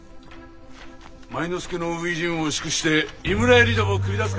前之助の初陣を祝して井村屋にでも繰り出すか。